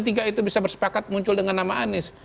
karena p tiga itu bisa bersepakat muncul dengan nama anies